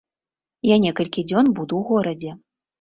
Я некалькі дзён буду ў горадзе.